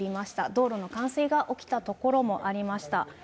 道路の冠水が起きた所もありました。